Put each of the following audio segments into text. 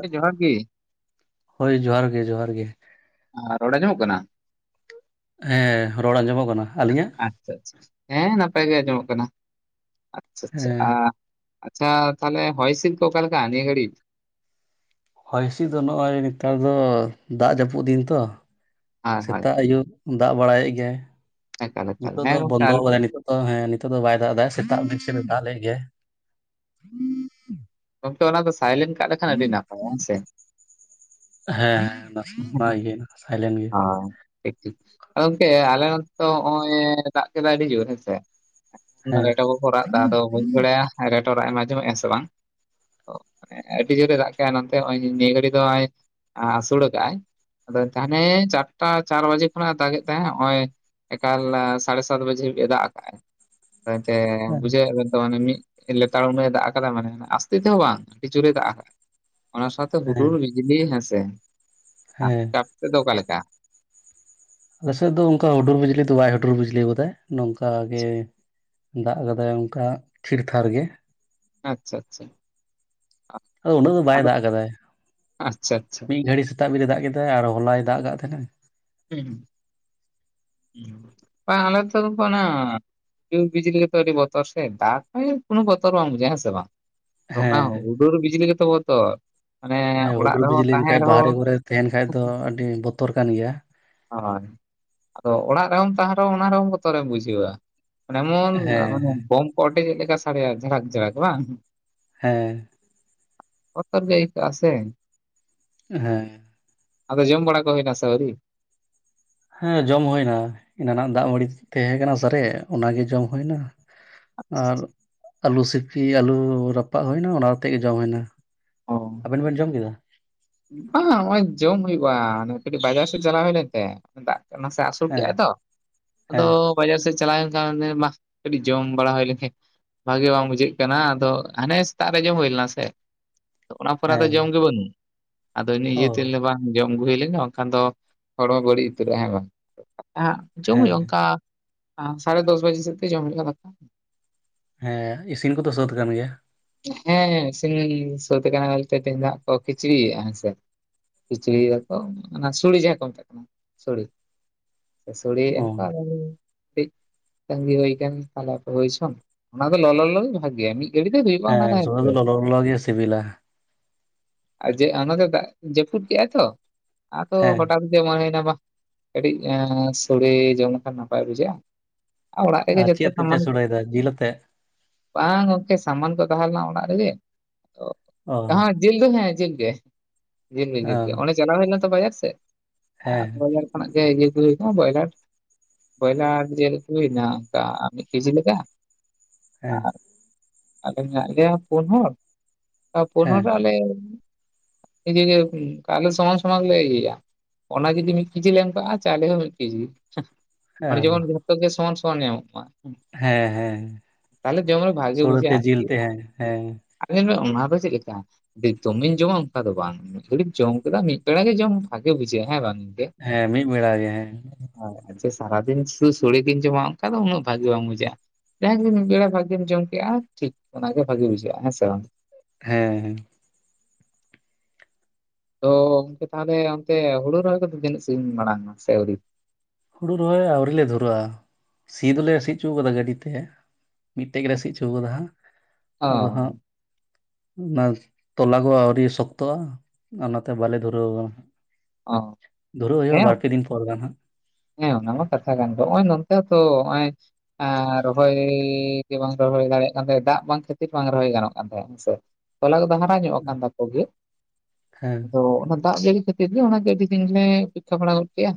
ᱦᱮᱸ ᱡᱚᱦᱟᱸᱨ ᱜᱮ ᱦᱳᱭ ᱡᱚᱦᱟᱸᱨ ᱜᱮ ᱡᱚᱦᱟᱸᱨ ᱜᱮ ᱟᱨ ᱨᱚᱲ ᱟᱸᱧᱚᱢᱚᱜ ᱠᱟᱱᱟ? ᱦᱮᱸ ᱨᱚᱲ ᱟᱸᱡᱚᱢᱚᱜ ᱠᱟᱱᱟ ᱾ ᱟᱹᱞᱤᱧᱟᱜ? ᱟᱪᱪᱷᱟ ᱟᱪᱪᱷᱟ ᱦᱮᱸ ᱱᱟᱯᱟᱭ ᱜᱮ ᱟᱸᱡᱚᱢᱚᱜ ᱠᱟᱱᱟ ᱟᱪᱪᱷᱟ ᱟᱪᱪᱷᱟ ᱦᱮᱸ ᱟ ᱟᱪᱪᱷᱟ ᱛᱟᱦᱚᱞᱮ ᱦᱚᱭ ᱦᱤᱥᱤᱛ ᱠᱚ ᱚᱠᱟ ᱞᱮᱠᱟ ᱱᱤᱭᱟᱹ ᱜᱷᱟᱹᱲᱤᱡ? ᱦᱚᱭ ᱦᱤᱥᱤᱫ ᱫᱚ ᱱᱚᱜᱼᱚᱭ ᱱᱮᱛᱟᱨ ᱫᱚ ᱫᱟᱜ ᱡᱟᱹᱯᱩᱫ ᱫᱤᱱ ᱛᱚ ᱾ ᱦᱳᱭ ᱦᱳᱭ ᱥᱮᱛᱟᱜ ᱟᱹᱭᱩᱵ ᱫᱟᱜ ᱵᱟᱲᱟᱭᱮᱫ ᱜᱮᱭᱟᱭ ᱮᱠᱟᱞ ᱮᱠᱟᱞ ᱱᱤᱛᱚᱜ ᱦᱮᱸ ᱫᱚ ᱜᱚᱝᱠᱮ ᱵᱚᱱᱫᱚ ᱟᱞᱮ- ᱠᱟᱫᱟᱭ ᱱᱤᱛᱚᱜ ᱾ ᱚ ᱦᱮᱸ ᱱᱤᱛᱚᱜ ᱫᱚ ᱵᱟᱭ ᱫᱟᱜ ᱮᱫᱟᱭ ᱥᱮᱛᱟᱜ ᱢᱤᱫ ᱥᱮᱫ ᱮ ᱫᱟᱜ ᱞᱮᱫ ᱜᱮᱭᱟᱭ ᱾ ᱜᱚᱝᱠᱮ ᱚᱱᱟ ᱫᱚ ᱥᱟᱭᱞᱮᱱ ᱠᱟᱜ ᱞᱮᱠᱷᱟᱱ ᱟᱹᱰᱤ ᱱᱟᱯᱟᱭᱟ ᱦᱮᱸ ᱥᱮ ᱾ ᱦᱮᱸ [unintelligible] ᱜᱮ ᱥᱟᱭᱞᱮᱱ ᱜᱮ ᱾ ᱦᱳᱭ ᱴᱷᱤᱠ ᱴᱷᱤᱠ ᱟᱫᱚ ᱜᱚᱝᱠᱮ ᱟᱞᱮ ᱱᱚᱛᱮ ᱫᱚ ᱱᱚᱜ-ᱚᱭ ᱫᱟᱜ ᱠᱮᱫᱟ ᱟᱹᱰᱤ ᱡᱳᱨ ᱦᱮᱸᱥᱮ ᱦᱮᱸ ᱨᱮᱴᱚ ᱠᱚ ᱠᱚ ᱨᱟᱜ ᱮᱫᱟ ᱟᱫᱚ ᱵᱟᱹᱧ ᱵᱟᱲᱟᱭᱟ ᱨᱮᱴᱚ ᱨᱟᱜ ᱮᱢ ᱟᱡᱚᱢᱮᱜᱼᱟ ᱥᱮ ᱵᱟᱝ? ᱟᱹᱰᱤ ᱡᱳᱨᱮ ᱫᱟᱜ ᱠᱮᱫᱟ ᱱᱚᱱᱛᱮ ᱱᱚᱜᱼᱚᱭ ᱱᱤᱭᱟᱹ ᱜᱷᱟᱹᱲᱤ ᱫᱚ ᱟᱸᱥᱩᱲ ᱠᱟᱜ ᱟᱭ ᱟᱫᱚ ᱦᱟᱱᱮ ᱪᱟᱨᱴᱟ ᱪᱟᱨ ᱵᱟᱡᱮ ᱠᱷᱚᱱᱟᱜ ᱮ ᱫᱟᱜᱮᱫ ᱛᱟᱦᱮᱸᱫ ᱱᱚᱜᱼᱚᱭ ᱮᱠᱟᱞ ᱥᱟᱲᱮ ᱥᱟᱛ ᱵᱟᱡᱮ ᱦᱟᱹᱵᱤᱡ ᱮ ᱫᱟᱜ ᱟᱠᱟᱜᱼᱟ ᱮᱱᱛᱮ ᱦᱮᱸ ᱵᱩᱡᱷᱟᱹᱣᱮᱫ ᱵᱮᱱ ᱛᱚᱵᱮ ᱢᱤᱫ ᱞᱮᱛᱟᱲ ᱩᱱᱟᱹ ᱮ ᱫᱟᱜ ᱟᱠᱟᱫᱟ ᱢᱟᱱᱮ ᱟᱥᱛᱮ ᱛᱮᱦᱚᱸ ᱵᱟᱝ, ᱟᱹᱰᱤ ᱡᱳᱨᱮ ᱫᱟᱜ ᱟᱠᱟᱫᱟ ᱚᱱᱟ ᱥᱟᱶᱛᱮ ᱦᱩᱰᱩᱨ ᱵᱤ ᱡᱞᱤ ᱦᱮᱸᱥᱮ ᱦᱮᱸ ᱟᱯᱮ ᱥᱮᱫ ᱫᱚ ᱚᱠᱟ ᱞᱮᱠᱟ? ᱟᱞᱮ ᱥᱮᱫ ᱫᱚ ᱚᱱᱠᱟ ᱦᱩᱰᱩᱨ ᱵᱤᱡᱽᱞᱤ ᱫᱚ ᱵᱟᱭ ᱦᱩᱰᱩᱨ ᱵᱤᱡᱽᱞᱤ ᱠᱟᱫᱟᱭ ᱱᱚᱝᱠᱟ ᱜᱮ ᱾ ᱫᱟᱜ ᱠᱟᱫᱟᱭ ᱚᱱᱠᱟ ᱛᱷᱤᱨ ᱛᱷᱟᱨ ᱜᱮ ᱾ ᱟᱪᱪᱷᱟ ᱟᱪᱪᱷᱟ ᱟᱫᱚ ᱩᱱᱟᱹᱜ ᱫᱚ ᱵᱟᱭ ᱟᱫᱚ ᱫᱟᱜ ᱠᱟᱫᱟᱭ ᱾ ᱟᱪᱪᱷᱟ ᱟᱪᱪᱷᱟ [inaudible] ᱢᱤᱫ ᱜᱷᱟᱹᱲᱤᱡ ᱥᱮᱛᱟᱜ ᱵᱤᱨᱮ ᱫᱟᱜ ᱠᱮᱫᱟᱭ ᱟᱨ ᱦᱚᱞᱟᱭ ᱫᱟᱜ ᱠᱟᱜ ᱛᱟᱦᱮᱸᱱᱟ᱾ [unintelligible] ᱦᱩᱰᱤᱝ ᱵᱤᱡᱽᱞᱤ ᱜᱮᱛᱚ ᱟᱹᱰᱤ ᱵᱚᱛᱚᱨ ᱥᱮ ᱫᱟᱜᱟᱭ ᱠᱳᱱᱳ ᱵᱚᱛᱚᱨ ᱵᱟᱝ ᱵᱩᱡᱩᱜᱼᱟ ᱦᱮᱸᱥᱮ ᱵᱟᱝ ᱾ ᱚᱱᱟ ᱦᱮᱸ ᱦᱩᱰᱩᱨ ᱵᱤᱡᱽᱞᱤ ᱜᱮᱛᱚ ᱵᱚᱛᱚᱨ ᱾ ᱦᱮᱸ ᱦᱩᱰᱩᱨ ᱵᱤᱡᱽᱞᱤ ᱡᱚᱠᱷᱟᱡ ᱵᱟᱦᱨᱮ ᱠᱚᱨᱮ ᱛᱮᱦᱮᱱ ᱠᱷᱟᱡ ᱫᱚ ᱟᱹᱰᱤ ᱵᱚᱛᱚᱨ ᱠᱟᱱ ᱜᱮᱭᱟ ᱾ ᱦᱳᱭ ᱟᱫᱚ ᱚᱲᱟᱜ ᱨᱮᱦᱚᱸᱢ ᱛᱟᱦᱮ ᱨᱮᱦᱚᱸ ᱚᱱᱟ ᱨᱮᱦᱚᱸᱢ ᱵᱚᱛᱚᱨᱮᱢ ᱵᱩᱡᱷᱟᱹᱣᱟ ᱾ ᱢᱟᱱᱮ ᱮᱢᱚᱱ ᱦᱮᱸ ᱵᱳᱢ ᱠᱚ ᱚᱴᱮᱡᱮᱫ ᱞᱮᱠᱟ ᱜᱮ ᱥᱟᱰᱮᱭᱟ ᱡᱷᱟᱠ ᱡᱷᱟᱠ ᱵᱟᱝ? ᱦᱮᱸ ᱵᱚᱛᱚᱨ ᱜᱮ ᱟᱹᱭᱠᱟᱹᱜᱼᱟ ᱥᱮ᱾ ᱦᱮᱸ ᱟᱫᱚ ᱡᱚᱢ ᱵᱟᱲᱟ ᱠᱚ ᱦᱩᱭᱱᱟ ᱥᱮ ᱟᱹᱣᱨᱤ? ᱦᱮᱸ ᱡᱚᱢ ᱦᱩᱭ ᱱᱟ ᱮᱱᱟᱱᱟᱜ ᱫᱟᱜ ᱢᱟᱹᱲᱤ ᱛᱟᱦᱮᱸ ᱠᱟᱱᱟ ᱥᱟᱨᱮᱡ ᱚᱱᱟ ᱜᱮ ᱡᱚᱢ ᱦᱩᱭᱱᱟ ᱾ ᱟᱨ ᱟᱹᱞᱩ ᱥᱤᱯᱤ ᱟᱹᱞᱩ ᱨᱟᱯᱟᱜ ᱦᱩᱭᱱᱟ ᱚᱱᱟ ᱟᱛᱮ ᱜᱮ ᱡᱚᱢ ᱦᱩᱭᱱᱟ ᱚ ᱾ ᱟᱵᱮᱱ ᱵᱮᱱ ᱡᱚᱢ ᱠᱮᱫᱟ? ᱵᱟᱝ ᱱᱚᱜ-ᱚᱭ ᱡᱚᱢ ᱦᱩᱭᱩᱜᱼᱟ ᱠᱟᱹᱴᱤᱡ ᱵᱟᱡᱟᱨ ᱥᱮᱛ ᱪᱟᱞᱟᱣ ᱦᱩᱭ ᱞᱮᱱ ᱛᱮ ᱫᱟᱜ ᱱᱟᱥᱮ ᱟᱥᱩᱲ ᱦᱮᱸ ᱠᱮᱜᱼᱟᱭ ᱛᱚ ᱟᱫᱚ ᱦᱮᱸ ᱵᱟᱡᱟᱨ ᱥᱮᱫ ᱪᱟᱞᱟᱣ ᱮᱱ ᱠᱷᱟᱱ ᱦᱮᱸ ᱢᱟ ᱠᱟᱹᱴᱤᱡ ᱡᱚᱢ ᱵᱟᱲᱟ ᱦᱩᱭ ᱞᱮᱱᱜᱮ ᱾ ᱵᱷᱟᱜᱮ ᱵᱟᱝ ᱵᱩᱡᱷᱟᱹᱜ ᱠᱟᱱᱟ ᱟᱫᱚ ᱦᱟᱱᱮ ᱥᱮᱛᱟᱜ ᱨᱮ ᱡᱚᱢ ᱦᱩᱭ ᱞᱮᱱᱟ ᱥᱮ ᱾ ᱚᱱᱟ ᱯᱚᱨᱮ ᱟᱫᱚ ᱦᱮᱸ ᱡᱚᱢ ᱜᱮ ᱵᱟᱹᱱᱩᱜ ᱟᱫᱚ ᱚ ᱱᱤᱡᱮᱛᱮ ᱞᱮ ᱵᱟᱝ ᱡᱚᱢ ᱟᱹᱜᱩ ᱦᱩᱭ ᱞᱮᱱᱜᱮ ᱵᱟᱝᱠᱷᱟᱱ ᱫᱚ ᱦᱚᱲᱢᱚ ᱵᱟᱹᱲᱤᱡ ᱩᱛᱟᱹᱨᱚᱜ-ᱟ ᱦᱮᱸ ᱵᱟᱝ ᱠᱟᱛᱷᱟ ᱡᱚᱢ ᱦᱮᱸ ᱦᱩᱭᱩᱜᱼᱟ ᱚᱱᱠᱟ ᱥᱟᱲᱮ ᱫᱚᱥ ᱵᱟᱡᱮ ᱥᱮᱫ ᱛᱮ ᱡᱚᱢ ᱦᱩᱭᱩᱜᱼᱟ ᱫᱟᱠᱟ ᱾ ᱦᱮᱸ ᱤᱥᱤᱱ ᱠᱚᱫᱚ ᱥᱟᱹᱛ ᱠᱟᱱ ᱜᱮᱭᱟ? ᱦᱮᱸ ᱤᱥᱤᱱ ᱥᱟᱹᱛ ᱠᱟᱱᱟ ᱵᱚᱞᱛᱮ ᱛᱮᱦᱮᱧ ᱫᱚ ᱦᱟᱸᱜ ᱠᱚ ᱠᱷᱤᱪᱤᱲᱤᱭᱮᱜᱼᱟ ᱦᱮᱸᱥᱮ ᱾ ᱠᱷᱤᱪᱲᱤᱭᱮᱫᱟᱠᱚ ᱚᱱᱟ ᱥᱳᱲᱮ ᱡᱟᱦᱟᱸ ᱠᱚ ᱢᱮᱛᱟᱜ ᱠᱟᱱᱟ ᱥᱳᱲᱮ ᱾ ᱥᱳᱲᱮᱭᱮᱜᱼᱟ ᱚ ᱠᱚ [unintelligible] ᱠᱟᱹᱡ ᱛᱟᱹᱜᱤ ᱦᱳᱭ ᱠᱟᱱ ᱛᱟᱦᱚᱞᱮ ᱦᱟᱯᱮ ᱦᱩᱭᱦᱚᱪᱚᱱ ᱚᱱᱟ ᱫᱚ ᱞᱚᱞᱚ ᱞᱚᱞᱚ ᱜᱮ ᱵᱷᱟᱹᱜᱤᱭᱟ [unintelligible] ᱦᱮᱸ ᱥᱳᱲᱮ ᱫᱚ ᱞᱚᱞᱚ ᱞᱚᱞᱚ ᱜᱮ ᱥᱤᱵᱤᱞᱟ ᱾ ᱟᱨ ᱡᱮ ᱱᱚᱛᱮ ᱫᱟᱜ ᱡᱟᱹᱯᱩᱫ ᱠᱮᱜ-ᱟᱭ ᱛᱚ ᱟᱫᱚ ᱦᱮᱸ ᱦᱚᱴᱟᱛ ᱡᱮ ᱢᱚᱱᱮᱭᱱᱟ ᱵᱟᱝ ᱠᱟᱹᱴᱤᱡ ᱥᱳᱲᱮ ᱡᱚᱢ ᱞᱮᱠᱷᱟᱱ ᱱᱟᱯᱟᱭ ᱵᱩᱡᱷᱟᱹᱜᱼᱟ ᱾ ᱚᱲᱟᱜ ᱨᱮᱜᱮ ᱟᱨ ᱡᱚᱛᱚ ᱪᱮᱫ ᱛᱮᱯᱮ ᱥᱟᱢᱟᱱ ᱠᱚ ᱥᱚᱲᱮᱭᱮᱫᱟ ᱡᱤᱞ ᱟᱛᱮᱫ ᱵᱟᱝ ᱜᱚᱝᱠᱮ ᱥᱟᱢᱟᱱ ᱠᱚ ᱛᱟᱦᱮᱸ ᱞᱮᱱᱟ ᱚᱲᱟᱜ ᱨᱮᱜᱮ ᱾ [unintelligible] ᱚ ᱚᱦᱚᱸ ᱡᱤᱞ ᱫᱚ ᱦᱮᱸ ᱡᱤᱞ ᱜᱮ᱾ ᱡᱤᱞ ᱜᱮ ᱚ ᱡᱤᱞ ᱜᱮ ᱚᱱᱮ ᱪᱟᱞᱟᱣ ᱦᱩᱭ ᱞᱮᱱᱟ ᱛᱚ ᱵᱟᱡᱟᱨ ᱥᱮᱫ ᱦᱮᱸ ᱟᱫᱚ ᱚᱸᱰᱮ ᱠᱷᱚᱱᱟᱜ ᱜᱮ ᱡᱤᱞ [unintelligible] ᱵᱚᱭᱞᱟᱨ ᱡᱤᱞ ᱟᱜᱩ ᱦᱩᱭᱮᱱᱟ ᱚᱝᱠᱟ ᱢᱤᱫ ᱠᱤᱡᱤ ᱞᱮᱠᱟ ᱦᱮᱸ ᱟᱨ ᱟᱞᱮ ᱢᱮᱱᱟᱜ ᱞᱮᱭᱟ ᱯᱩᱱ ᱦᱚᱲ ᱯᱳᱱ ᱦᱚᱲ ᱦᱮᱸ ᱨᱮ ᱟᱞᱮ ᱤᱡᱟᱹ ᱜᱮ ᱱᱚᱝᱠᱟᱱ ᱟᱞᱮ ᱥᱚᱢᱟᱱ ᱥᱚᱢᱟᱱ ᱜᱮᱞᱮ ᱤᱭᱟᱹᱭᱟ᱾ ᱚᱱᱟ ᱡᱩᱫᱤ ᱢᱤᱫ ᱠᱮᱡᱤ ᱞᱮ ᱮᱢ ᱠᱟᱜᱼᱟ ᱪᱟᱣᱞᱮ ᱦᱚᱸ ᱢᱤᱫ ᱠᱮᱡᱤ ᱚ ᱢᱟᱱᱮ ᱡᱮᱢᱚᱱ ᱡᱷᱚᱛᱚ ᱜᱮ ᱥᱚᱢᱟᱱ ᱥᱚᱢᱟᱱ ᱧᱟᱢᱚᱜ ᱢᱟ᱾ ᱦᱮᱸ ᱦᱮᱸ ᱛᱟᱦᱞᱮ ᱡᱚᱢ ᱨᱮ ᱵᱷᱟᱜᱤ ᱥᱳᱲᱮ ᱛᱮ ᱵᱩᱡᱷᱟᱹᱜ-ᱟ ᱡᱤᱞ ᱟᱨᱠᱤ᱾ ᱛᱮ ᱦᱮᱸ ᱦᱮᱸ [unintelligible] ᱧᱮᱞᱢᱮ ᱚᱱᱟ ᱫᱚ ᱪᱮᱫ ᱞᱮᱠᱟ ᱫᱚᱢᱮᱧ ᱡᱚᱢᱟ ᱚᱱᱠᱟ ᱫᱚ ᱵᱟᱝ ᱢᱤᱫ ᱜᱷᱟᱹᱲᱤᱡ ᱡᱚᱢ ᱠᱮᱫᱟ ᱢᱤᱫ ᱵᱮᱲᱟ ᱜᱮ ᱡᱚᱢ ᱵᱷᱟᱜᱮ ᱵᱩᱡᱷᱟᱹᱜᱼᱟ ᱦᱮᱸ ᱵᱟᱝ ᱜᱚᱝᱠᱮ᱾ ᱦᱮᱸ ᱢᱤᱫ ᱵᱮᱲᱟ ᱜᱮ ᱦᱮᱸ᱾ ᱦᱳᱭ [unintelligible] ᱥᱟᱨᱟᱫᱤᱱ ᱥᱩᱫᱩ ᱥᱳᱲᱮ ᱜᱤᱧ ᱡᱚᱢᱟ ᱚᱱᱠᱟ ᱫᱚ ᱩᱱᱟᱹᱜ ᱵᱷᱟᱜᱤ ᱵᱟᱝ ᱵᱩᱡᱷᱟᱹᱜᱼᱟ᱾ ᱡᱟᱦᱟ ᱜᱮ ᱢᱤᱫ ᱵᱮᱲᱟ ᱵᱷᱟᱜᱤᱢ ᱡᱚᱢ ᱠᱮᱜᱼᱟ ᱴᱷᱤᱠ ᱚᱱᱟᱜᱮ ᱵᱷᱟᱜᱤ ᱵᱩᱡᱷᱟᱹᱜᱼᱟ ᱦᱮᱸ ᱥᱮ ᱵᱟᱝ᱾ ᱦᱮᱸᱻ ᱦᱮᱸ ᱛᱚ ᱜᱚᱢᱠᱮ ᱛᱟᱦᱚᱞᱮ ᱚᱱᱛᱮ ᱦᱩᱲᱩ ᱨᱚᱦᱚᱭ ᱠᱚᱫᱚ ᱛᱤᱱᱟᱹᱜ ᱥᱟᱜᱤᱧ ᱢᱟᱲᱟᱝ ᱮᱱᱟ ᱥᱮ ᱟᱹᱣᱨᱤ? ᱦᱩᱲᱩ ᱨᱚᱦᱚᱭ ᱟᱹᱣᱨᱤ ᱞᱮ ᱫᱷᱩᱨᱟᱹᱜᱼᱟ᱾ ᱥᱤ ᱫᱚᱞᱮ ᱥᱤ ᱪᱚᱣ ᱟᱠᱟᱫᱟ ᱜᱟᱹᱰᱤ ᱛᱮ ᱢᱤᱫᱴᱮᱡ ᱜᱮᱞᱮ ᱥᱤ ᱦᱚᱪᱚ ᱠᱟᱫᱟ ᱦᱟᱸᱜ ᱚ ᱟᱫᱚ ᱦᱟᱸᱜ ᱱᱟᱥ ᱛᱚᱞᱟ ᱠᱚ ᱟᱹᱣᱨᱤ ᱥᱚᱠᱛᱚᱜᱼᱟ ᱚᱱᱟᱛᱮ ᱵᱟᱞᱮ ᱫᱷᱩᱨᱟᱹᱣ ᱠᱟᱱᱟ ᱚ ᱫᱷᱩᱨᱟᱹᱣ ᱦᱩᱭᱩᱜᱼᱟ ᱵᱟᱨᱯᱮ ᱫᱤᱱ ᱯᱚᱨ ᱜᱟᱱ ᱦᱟᱸᱜ ᱦᱮ ᱚᱱᱟᱢᱟ ᱠᱟᱛᱷᱟ ᱠᱟᱱ ᱜᱮ ᱱᱚᱜᱼᱚᱭ ᱱᱚᱱᱛᱮ ᱛᱚ ᱱᱚᱜᱚᱭ ᱮ ᱨᱚᱦᱚᱭ ᱜᱮ ᱵᱟᱝ ᱨᱚᱦᱚᱭ ᱫᱟᱲᱮᱭᱟᱜ ᱠᱟᱱ ᱛᱟᱦᱮᱸᱫ ᱫᱟᱜ ᱵᱟᱝ ᱠᱷᱟᱹᱛᱤᱨ ᱵᱟᱝ ᱨᱚᱦᱚᱭ ᱜᱟᱱᱚᱜ ᱠᱟᱱ ᱛᱟᱦᱮᱸᱜ ᱦᱮᱸᱥᱮ ᱛᱚᱞᱟ ᱫᱚ ᱦᱟᱨᱟ ᱧᱚᱜ ᱟᱠᱟᱱ ᱛᱟᱠᱚ ᱜᱮ ᱦᱮᱸ ᱟᱫᱚ ᱚᱱᱟ ᱫᱟᱜ ᱡᱟᱹᱲᱤ ᱠᱟᱛ [inaudible] ᱜᱮ ᱚᱱᱟ ᱜᱮ ᱟᱰᱤ ᱫᱤᱱ ᱞᱮ [inaudible] ᱵᱟᱲᱟ ᱜᱚᱫᱽ ᱠᱮᱜ ᱟ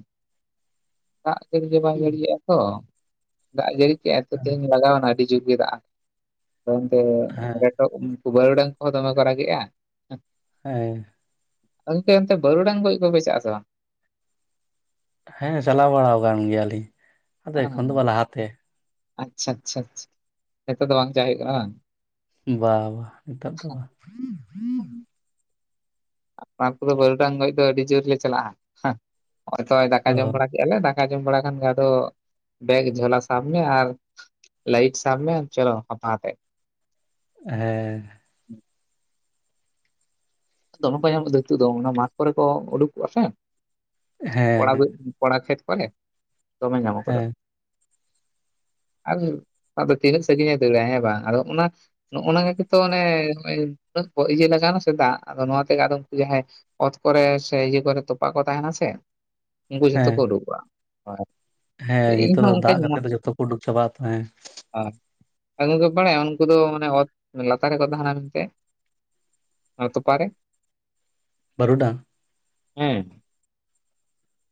ᱫᱟᱜ ᱡᱟᱹᱲᱤᱜᱮ ᱵᱟᱝ ᱡᱟᱹᱲᱤᱭᱟᱜᱼᱟ ᱛᱚ ᱫᱟᱜ ᱡᱟᱹᱲᱤ ᱠᱮᱜ ᱟᱭ ᱛᱮᱧ ᱞᱟᱜᱟᱣᱱᱟ ᱟᱹᱰᱤ ᱡᱩᱨ ᱜᱮ ᱫᱟᱜ [inaudible] ᱦᱮᱸ ᱛᱮ ᱩᱱᱠᱩ ᱵᱟᱹᱨᱩᱰᱟᱝ ᱠᱚᱦᱚ ᱫᱚᱢᱮ ᱠᱚ ᱨᱟᱜᱮᱜᱼᱟ ᱦᱮ ᱛᱚ ᱜᱚᱝᱠᱮ ᱵᱟᱹᱨᱩᱰᱟᱝ ᱠᱚᱡ ᱠᱚ ᱯᱮ ᱪᱟᱜ ᱟᱥᱮ ᱵᱟᱝ ᱦᱮᱸ ᱪᱟᱞᱟᱣ ᱵᱟᱲᱟ ᱟᱠᱟᱱ ᱜᱮᱭᱟᱞᱤᱧ ᱟᱫᱚ ᱮᱠᱷᱚᱱ ᱫᱚ ᱵᱟ ᱞᱟᱦᱟᱛᱮ ᱟᱪᱪᱷᱟ ᱟᱪᱪᱷᱟ ᱱᱤᱛᱚᱜ ᱫᱚ ᱵᱟᱝ ᱪᱟᱞᱟᱜ ᱦᱩᱭᱩᱜ ᱠᱟᱱᱟ ᱵᱟᱝ ᱵᱟ ᱵᱟ ᱱᱮᱛᱚᱜ ᱫᱚ ᱵᱟᱝ ᱟᱯᱱᱟᱨ ᱠᱚᱫᱚ ᱵᱟᱹᱨᱩᱰᱟᱝ ᱜᱚᱡ ᱫᱚ ᱟᱹᱰᱤ ᱡᱳᱨ ᱞᱮ ᱪᱟᱞᱟᱜᱼᱟ ᱱᱚᱜᱼᱚᱭ ᱛᱚ ᱫᱟᱠᱟ ᱡᱚᱢ ᱚ ᱵᱟᱲᱟ ᱠᱮᱜᱟᱞᱮ ᱫᱟᱠᱟ ᱡᱚᱢ ᱵᱟᱲᱟ ᱠᱷᱟᱱ ᱜᱮ ᱟᱫᱚ ᱵᱮᱜᱽ ᱡᱷᱚᱞᱟ ᱥᱟᱵ ᱢᱮ ᱟᱨ ᱞᱟᱭᱤᱴ ᱥᱟᱢ ᱢᱮ ᱟᱨ ᱪᱚᱞᱚ ᱦᱟᱯᱟ ᱦᱟᱛᱮᱜ ᱦᱮᱸ ᱫᱚᱢᱮ ᱠᱳ ᱧᱟᱢᱚᱜ ᱫᱚ ᱦᱤᱛᱚᱜ ᱫᱚ ᱚᱱᱟ ᱢᱟᱴᱷ ᱠᱚᱨᱮ ᱠᱚ ᱩᱰᱩᱠ ᱠᱚᱜᱼᱟ ᱥᱮ ᱦᱮᱸ ᱦᱮᱸ ᱠᱚᱲᱟ [inaudible] [inaudible] ᱠᱷᱮᱛ ᱠᱚᱨᱮ ᱫᱚᱢᱮ [inaudible] ᱦᱮᱸ ᱟᱨ ᱟᱫᱚ ᱛᱤᱱᱟᱹᱜ ᱥᱟᱜᱤᱧ ᱫᱟᱹᱲᱟ ᱦᱮᱸ ᱵᱟᱝ ᱟᱫᱚ ᱚᱱᱟ ᱱᱚᱜᱼᱚ ᱱᱟ ᱜᱮ ᱛᱚ ᱚᱱᱮ ᱦᱚᱸ ᱚᱭ ᱤᱭᱟᱹ ᱞᱟᱜᱟᱣ ᱱᱟ ᱥᱮ ᱫᱟᱜ ᱟᱫᱚ ᱱᱚᱣᱟ ᱛᱮᱜᱮ ᱟᱫᱚ ᱡᱟᱦᱟᱭ ᱚᱛ ᱠᱚᱨᱮ ᱥᱮ ᱤᱭᱟᱹ ᱠᱚᱨᱮ ᱛᱚᱯᱟ ᱠᱚ ᱛᱟᱦᱮᱱᱟ ᱥᱮ ᱩᱱᱠᱩ ᱡᱷᱚᱛᱚ ᱦᱮᱸ ᱠᱚ ᱩᱰᱩᱠᱚᱜᱼᱟ [inaudible] ᱦᱮᱸ ᱤᱧ ᱱᱤᱛᱚᱜ ᱦᱚᱸ ᱫᱚ ᱫᱟᱜ ᱚᱱᱠᱟᱧ ᱠᱟᱛᱮᱜ ᱢᱚᱱ ᱫᱚ ᱡᱚᱛᱚ ᱠᱚ ᱩᱰᱩᱠ ᱪᱟᱵᱟᱜ ᱟᱛᱚ ᱦᱮᱸ [unintelligible] ᱩᱱᱠᱩ ᱫᱚ ᱢᱟᱱᱮ ᱚᱛ ᱞᱟᱛᱟᱨ ᱨᱮᱠᱚ ᱛᱟᱦᱮᱱᱟ ᱢᱮᱱᱛᱮ ᱦᱚ ᱛᱚᱯᱟᱨᱮ ᱵᱟᱨᱩᱰᱟᱝ ᱦᱮᱸ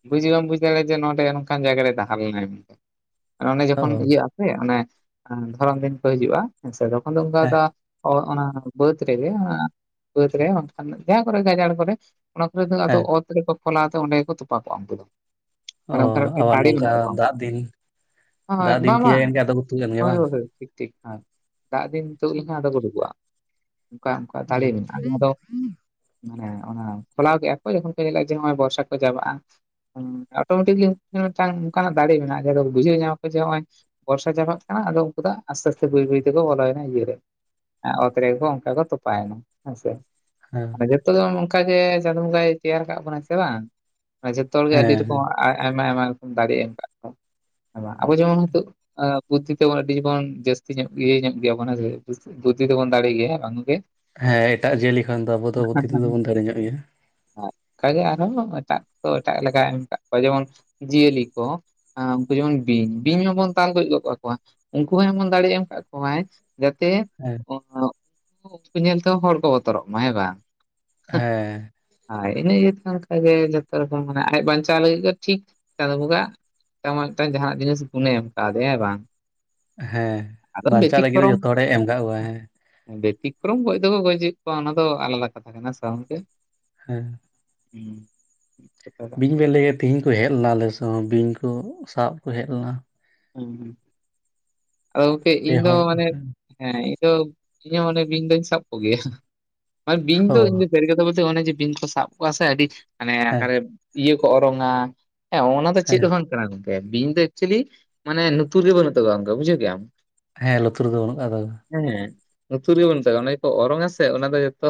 ᱵᱩᱡ ᱜᱮ ᱵᱟᱢ ᱵᱩᱡ ᱫᱟᱲᱮᱭᱟᱜ-ᱟ ᱡᱮ ᱱᱚᱰᱮ ᱱᱚᱝᱠᱟᱱ ᱡᱟᱭᱜᱟ ᱨᱮ ᱛᱟᱦᱮ ᱞᱮᱱᱟ ᱚᱨ ᱚᱱᱮ ᱚ ᱡᱚᱠᱷᱚᱱ ᱤᱭᱟᱹᱜ ᱟᱥᱮ ᱚᱱᱮ ᱫᱷᱚᱨᱚᱱ ᱫᱤᱱ ᱠᱚ ᱦᱤᱡᱩᱜᱼᱟ ᱟᱪᱷᱟ ᱡᱚᱠᱷᱚᱱ ᱫᱚ ᱦᱮᱸ ᱚᱱᱟ ᱵᱟᱹᱫ ᱨᱮᱜᱮ ᱵᱟᱹᱫᱽ ᱨᱮ ᱵᱟᱝᱠᱷᱟᱱ ᱡᱟᱦᱟᱸ ᱠᱚᱨᱮ ᱜᱟᱡᱟᱲ ᱠᱚᱨᱮ ᱚᱱᱟ ᱠᱚᱨᱮ ᱫᱚ ᱟᱫᱚ ᱦᱮᱸ ᱚᱛ ᱨᱮᱠᱚ ᱯᱷᱚᱞᱟᱛᱮ ᱚᱸᱰᱮ ᱜᱮᱠᱚ ᱛᱚᱯᱟ ᱠᱚ-ᱟ ᱩᱱᱠᱩ ᱫᱚ ᱚ ᱢᱟᱱᱮ ᱚᱱᱠᱟᱱᱟᱜ ᱢᱤᱫᱴᱮᱱ ᱟᱵᱟᱨ ᱫᱟᱲᱮ ᱱᱚᱝᱠᱟ ᱢᱮᱱᱟᱜ ᱛᱟᱠᱚᱣᱟ ᱫᱟᱜ ᱩᱱᱠᱩᱣᱟᱜ ᱫᱤᱱ ᱦᱚᱭ ᱫᱟᱜ ᱫᱤᱱ ᱵᱟᱝ ᱛᱤᱭᱟᱹᱜ ᱵᱟᱝ ᱮᱱ ᱜᱮ ᱟᱫᱚ ᱠᱚ ᱛᱩᱫ ᱮᱱ ᱜᱮ ᱦᱚᱭ ᱵᱟᱝ ᱴᱷᱤᱠ ᱴᱷᱤᱠ ᱟᱨ ᱫᱟᱜ ᱫᱤᱱ ᱱᱤᱛᱚᱜ [inaudible] ᱟᱫᱚ ᱩᱰᱩᱠᱚᱜ-ᱟ ᱚᱱᱠᱟ ᱚᱱᱠᱟ ᱦᱩᱸ ᱫᱟᱲᱮ ᱢᱮᱱᱟᱜ-ᱟ ᱢᱟᱱᱮ ᱚᱱᱟ ᱠᱷᱚᱞᱟᱣ ᱠᱮᱫ-ᱟ ᱠᱚ ᱡᱚᱠᱷᱚᱱ ᱠᱚ ᱧᱮᱞᱟ ᱡᱮ ᱱᱚᱜ-ᱚᱭ ᱵᱚᱨᱥᱟ ᱠᱚ ᱪᱟᱵᱟᱜ-ᱟ ᱚᱴᱳᱢᱮᱴᱤᱠᱞᱤ ᱢᱤᱫᱴᱟᱝ ᱱᱚᱝᱠᱟᱱᱟᱜ ᱫᱟᱲᱮ ᱢᱮᱱᱟᱜ-ᱟ ᱡᱟᱦᱟᱸ ᱫᱚ ᱵᱩᱡᱷᱟᱹᱣ ᱧᱟᱢᱟ ᱠᱚ ᱡᱮ ᱱᱚᱜ-ᱚᱭ ᱵᱚᱨᱥᱟ ᱪᱟᱵᱟᱜ ᱠᱟᱱᱟ ᱟᱫᱚ ᱩᱱᱠᱩ ᱫᱚ ᱟᱥᱛᱮ ᱟᱥᱛᱮ ᱵᱟᱹᱭ ᱵᱟᱹᱭ ᱛᱮᱠᱚ ᱵᱚᱞᱚᱭᱮᱱᱟ ᱤᱭᱟᱹᱨ ᱨᱮ ᱚᱛ ᱨᱮᱜᱮ ᱠᱚ ᱚᱱᱠᱟ ᱠᱚ ᱛᱚᱯᱟᱭᱱᱟ ᱦᱮᱸᱥᱮ ᱦᱮᱸ ᱡᱚᱛᱚ ᱜᱮ ᱚᱱᱠᱟᱜᱮ ᱪᱟᱸᱫᱳ ᱵᱚᱸᱜᱟᱭ ᱛᱮᱭᱟᱨ ᱠᱟᱜ ᱵᱚᱱᱟᱭ ᱥᱮ ᱵᱟᱝ ᱢᱟᱱᱮ ᱡᱚᱛᱚ ᱦᱚᱲ ᱜᱮ ᱟᱹᱰᱤ ᱨᱚᱠᱚᱢ ᱦᱮᱸ ᱟᱭᱢᱟ ᱟᱭᱢᱟ ᱨᱚᱠᱚᱢ ᱫᱟᱲᱮ ᱮᱢ ᱟᱠᱟᱜ ᱠᱚᱣᱟ ᱟᱵᱚ ᱡᱮᱢᱚᱱ ᱦᱚ [inaudible] ᱵᱩᱫᱽᱫᱷᱤ ᱛᱮᱵᱚᱱ ᱟᱹᱰᱤ ᱵᱚᱱ ᱡᱟᱹᱥᱛᱤ ᱧᱚᱜ ᱤᱭᱟᱹ ᱧᱚᱜ ᱜᱮᱭᱟ ᱵᱚᱱ ᱵᱩᱫᱽᱫᱷᱤ ᱛᱮᱵᱚᱱ ᱫᱟᱲᱮ ᱜᱮᱭᱟ ᱦᱮᱸ ᱵᱟᱝ ᱜᱚᱢᱠᱮ ᱦᱮᱸ ᱮᱴᱟᱜ ᱡᱤᱭᱟᱹᱞᱤ ᱠᱷᱚᱱ ᱫᱚ ᱟᱵᱚ ᱫᱚ ᱵᱩᱫᱫᱷᱤ ᱛᱮᱫᱚ ᱵᱚᱱ ᱫᱟᱲᱮ ᱧᱚᱜ ᱜᱮᱭᱟ ᱦᱮᱸ ᱚᱱᱠᱟᱜᱮ ᱟᱨᱦᱚᱸ ᱮᱴᱟᱜ ᱠᱚ ᱮᱴᱟᱜ ᱞᱮᱠᱟᱭ ᱮᱢ ᱠᱟᱜ ᱠᱚᱣᱟ ᱡᱮᱢᱚᱱ ᱡᱤᱭᱟᱹᱞᱤ ᱠᱚ ᱟᱨ ᱩᱱᱠᱩ ᱡᱮᱢᱚᱱ ᱵᱤᱧ ᱵᱤᱧ ᱢᱟᱵᱚᱱ ᱫᱟᱞ ᱜᱚᱡ ᱜᱚᱫ ᱠᱟᱠᱚᱣᱟ ᱩᱱᱠᱩ ᱦᱚᱸ ᱮᱢᱚᱱ ᱫᱟᱲᱮ ᱮᱢ ᱟᱠᱟᱫ ᱠᱚᱣᱟᱭ ᱡᱟᱛᱮ [unintelligible] [unintelligible] ᱧᱮᱞᱛᱮ ᱦᱚᱸ ᱦᱚᱲ ᱠᱚ ᱵᱚᱛᱚᱨᱚᱜ ᱢᱟ ᱦᱮᱸ ᱵᱟᱝ᱾ ᱦᱮᱸ ᱟᱨ ᱤᱱᱟᱹᱜᱤᱭᱟᱹᱛᱮ ᱚᱱᱠᱟᱜᱮ ᱡᱚᱛᱚ ᱨᱚᱠᱚᱢ ᱢᱟᱱᱮ ᱟᱡ ᱵᱟᱧᱪᱟᱣ ᱞᱟᱹᱜᱤᱫ ᱜᱮ ᱴᱷᱤᱠ ᱪᱟᱸᱫᱚ ᱵᱚᱸᱜᱟ ᱢᱤᱫᱴᱟᱝ ᱢᱤᱫᱴᱟᱝ ᱡᱟᱦᱟᱱᱟᱜ ᱡᱤᱱᱤᱥ ᱜᱩᱱᱮ ᱮᱢ ᱠᱟᱣᱫᱮᱭᱟ ᱦᱮᱸ ᱵᱟᱝ ᱦᱮᱸ ᱟᱫᱚ ᱵᱟᱧᱪᱟᱜ ᱞᱟᱹᱜᱤᱫ ᱫᱚ ᱵᱮᱛᱤᱠᱨᱚᱢ ᱡᱚᱛᱚ ᱦᱚᱲᱮ ᱮᱢ ᱠᱟᱜ ᱠᱚᱣᱟ ᱦᱮᱸ᱾ ᱵᱮᱛᱤᱠᱨᱚᱢ ᱜᱚᱡ ᱫᱚᱠᱚ ᱜᱚᱡᱮᱜ ᱠᱚᱣᱟ ᱚᱱᱟ ᱫᱚ ᱟᱞᱟᱫᱟ ᱠᱟᱛᱷᱟ ᱠᱟᱱᱟ‌ ᱦᱮᱸ ᱥᱮ ᱵᱟᱝ ᱜᱚᱝᱠᱮ? ᱦᱮᱸ ᱦᱮᱸ ᱵᱤᱧ ᱵᱮᱞᱮ ᱛᱮᱦᱤᱧ ᱠᱚ ᱦᱮᱡ ᱞᱮᱱᱟ ᱟᱞᱮᱥ ᱦᱚᱸ ᱵᱤᱧ ᱠᱚ ᱥᱟᱵ ᱠᱚ ᱦᱮᱡ ᱞᱮᱱᱟ᱾ ᱦᱮᱸ ᱦᱸ ᱟᱫᱚ ᱜᱚᱝᱠᱮ ᱯᱮ ᱤᱧ ᱫᱚ ᱦᱚᱲ ᱢᱟᱱᱮ ᱦᱮᱸ ᱤᱧ ᱫᱚ ᱤᱧ ᱦᱚᱸ ᱢᱟᱱᱮ ᱵᱤᱧ ᱫᱚᱧ ᱥᱟᱵ ᱠᱚᱜᱮᱭᱟ ᱢᱮ ᱵᱤᱧ ᱚ ᱫᱚ ᱤᱧ ᱥᱟᱹᱨᱤ ᱠᱟᱛᱷᱟ ᱵᱚᱞᱛᱮ ᱚᱱᱮ ᱡᱮ ᱵᱤᱧ ᱠᱚ ᱥᱟᱵ ᱠᱚᱣᱟ ᱥᱮ ᱟᱹᱰᱤ ᱢᱟᱱᱮ ᱦᱮᱸ ᱚᱠᱟᱨᱮ ᱤᱭᱟᱹ ᱠᱚ ᱚᱨᱚᱝᱟ ᱦᱮᱸ ᱚᱱᱟ ᱫᱚ ᱪᱮᱫ ᱦᱮᱸ ᱦᱚᱸ ᱵᱟᱝ ᱵᱟᱝ ᱠᱟᱱᱟ ᱜᱚᱝᱠᱮ ᱵᱤᱧ ᱫᱚ ᱮᱠᱪᱚᱞᱤ ᱢᱟᱱᱮ ᱱᱩᱛᱩᱨ ᱨᱮ ᱵᱟᱹᱱᱩᱜ ᱛᱟᱡᱚᱣᱟ ᱚᱱᱠᱟ ᱵᱩᱡᱟᱹᱣ ᱠᱮᱜᱟᱢ᱾ ᱦᱮᱸ ᱞᱩᱛᱩᱨ ᱨᱮᱫᱚ ᱵᱟᱹᱱᱩᱜ [unintelligible] ᱦᱮᱸ ᱞᱩᱛᱩᱨ ᱜᱮ ᱵᱟᱹᱱᱩᱜ ᱛᱟᱠᱚᱣᱟ ᱚᱱᱮ ᱜᱮᱠᱚ ᱚᱨᱚᱝ ᱟ ᱥᱮ ᱚᱱᱟ ᱫᱚ ᱡᱷᱚᱛᱚ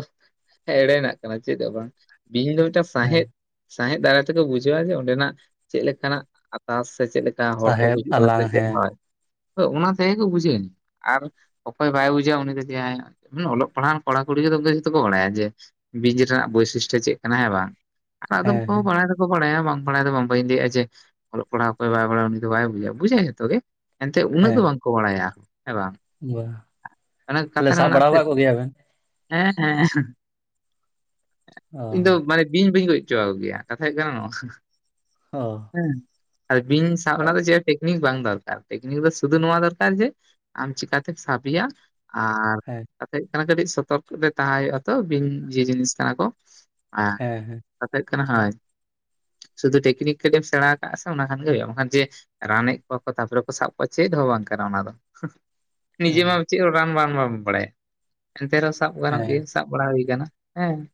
ᱮᱲᱮᱱᱟᱜ ᱠᱟᱱᱟ ᱪᱮᱫ ᱫᱚ ᱵᱟᱝ ᱵᱤᱧ ᱫᱚ ᱢᱤᱫᱴᱟᱝ ᱦᱮᱸ ᱥᱟᱸᱦᱮᱫ ᱥᱟᱸᱦᱮᱫ ᱫᱟᱨᱟᱭ ᱛᱮᱠᱚ ᱵᱩᱡᱷᱟᱹᱣᱟ ᱡᱮ ᱚᱸᱰᱮᱱᱟᱜ ᱪᱮᱫ ᱞᱮᱠᱟᱱᱟᱜ ᱟᱛᱟᱥ ᱥᱮ ᱪᱮᱫ ᱞᱮ ᱮᱴᱟᱜ ᱦᱚᱲ ᱠᱚ ᱥᱟᱦᱮᱫ ᱜᱩᱡᱩᱜ ᱠᱟᱱᱟ ᱥᱮ ᱟᱞᱟᱝ ᱪᱮᱫ ᱦᱮᱸ ᱦᱳᱭ ᱚᱱᱟ ᱛᱮᱜᱮ ᱜᱮᱠᱚ ᱵᱩᱡᱷᱟᱹᱣ ᱟᱨ ᱚᱠᱚᱭ ᱵᱟᱭ ᱵᱩᱡᱟ ᱩᱱᱤ ᱫᱚ ᱡᱟᱦᱟᱸ ᱚᱞᱚᱜ ᱯᱟᱲᱦᱟᱣᱟᱱ ᱠᱚᱲᱟ ᱠᱩᱲᱤ ᱛᱮᱫᱚ ᱡᱚᱛᱚ ᱠᱚ ᱵᱟᱲᱟᱭᱟ ᱡᱮ ᱵᱤᱡ ᱨᱮᱱᱟᱜ ᱵᱳᱭᱥᱤᱥᱴᱚ ᱪᱮᱫ ᱠᱟᱱᱟ ᱦᱮᱸ ᱵᱟᱝ᱾ ᱟᱫᱚᱢ ᱦᱮᱸ ᱠᱚ ᱦᱮᱸ ᱵᱟᱲᱟᱭ ᱫᱚᱠᱚ ᱵᱟᱲᱟᱭᱟ ᱵᱟᱝ ᱵᱟᱲᱟᱭ ᱫᱚ ᱵᱟᱝ ᱵᱟᱹᱧ ᱞᱟᱹᱭᱟᱼᱟ ᱡᱮ ᱚᱞᱚᱜ ᱯᱟᱲᱦᱟᱜ ᱚᱠᱚᱭ ᱵᱟᱭ ᱵᱟᱲᱟᱭ ᱩᱱᱤ ᱫᱚ ᱵᱟᱭ ᱵᱩᱡᱟ ᱵᱩᱡᱟᱭ ᱡᱷᱚᱛᱚ ᱜᱮ ᱮᱱᱛᱮ ᱩᱱᱟᱹᱜ ᱫᱚ ᱦᱮᱸ ᱵᱟᱝᱠᱚ ᱵᱟᱲᱟᱭᱟ ᱟᱨ ᱦᱮᱸ ᱵᱟᱝ᱾ ᱵᱟ ᱚᱱᱮ ᱛᱟᱦᱞᱮ ᱠᱟᱛᱷᱟ ᱨᱮ ᱥᱟᱵ ᱢᱮᱱᱟᱜ ᱵᱟᱲᱟ ᱥᱮ ᱟᱠᱟᱫ ᱠᱚᱜᱮᱭᱟ ᱵᱮᱱ? ᱦᱮᱸ ᱦᱮᱸ ᱚ ᱤᱧ ᱫᱚ ᱢᱟᱱᱮ ᱵᱤᱧ ᱵᱟᱹᱧ ᱜᱚᱡ ᱪᱚ ᱜᱮᱭᱟ ᱠᱟᱛᱷᱟ ᱦᱳᱭᱳᱜ ᱠᱟᱱᱟ ᱱᱚᱣᱟ᱾ ᱚ ᱦᱮᱸ ᱟᱨ ᱵᱤᱧ ᱥᱟᱵ ᱵᱟᱲᱟ ᱫᱚ ᱪᱮ ᱱᱤᱠ ᱵᱟᱝ ᱫᱚᱨᱠᱟᱨ ᱴᱮᱠᱱᱤᱠ ᱫᱚ ᱥᱩᱫᱷᱩ ᱱᱚᱣᱟ ᱫᱚᱨᱠᱟᱨ ᱡᱮ ᱟᱢ ᱪᱤᱠᱟᱛᱮᱢ ᱥᱟᱵᱮᱭᱟ᱾ ᱟᱨ ᱦᱮᱸ ᱠᱟᱛᱷᱟ ᱦᱩᱭᱩᱜ ᱠᱟᱱᱟ ᱠᱟᱹᱴᱤᱡ ᱥᱚᱛᱚᱨᱠ ᱛᱟᱦᱮ ᱛᱟᱦᱮᱸ ᱦᱩᱭᱩᱜ ᱟ ᱛᱚ ᱵᱤᱧ ᱡᱮ ᱡᱤᱱᱤᱥ ᱠᱟᱱᱟ ᱠᱚ ᱦᱮᱸ ᱦᱮᱸ [inaudible] ᱠᱟᱛᱷᱟ ᱦᱳᱭ ᱠᱟᱱᱟ ᱦᱳᱭ ᱥᱩᱫᱷᱩ ᱴᱮᱠᱱᱤᱠ ᱠᱟᱹᱴᱤᱡ ᱮᱢ ᱥᱮᱬᱟ ᱟᱠᱟᱟᱜ ᱥᱮ ᱚᱱᱟ ᱠᱷᱟᱱ ᱜᱮ ᱦᱩᱭᱩᱜᱼᱟ ᱵᱟᱝᱠᱷᱟᱱ ᱡᱮ ᱨᱟᱱᱮᱜ ᱠᱚᱣᱟ ᱠᱚ ᱛᱟᱯᱚᱨᱮ ᱠᱚ ᱥᱟᱵ ᱠᱚᱣᱟ ᱪᱮᱫ ᱦᱚᱸ ᱵᱟᱝ ᱠᱟᱱᱟ ᱚᱱᱟ ᱫᱚ, ᱱᱤᱡᱮ ᱢᱟ ᱚ ᱪᱮᱫ ᱨᱟᱱ ᱵᱟᱢ ᱵᱟᱢ ᱵᱟᱲᱟᱭᱟ, ᱮᱱᱛᱮ ᱨᱮᱦᱚᱸ ᱥᱟᱵ ᱜᱟᱱᱚᱜ ᱜᱮᱭᱟ ᱦᱮᱸ ᱥᱟᱵ ᱵᱟᱲᱟ ᱦᱩᱭ ᱠᱟᱱᱟ ᱦᱮᱸ ᱾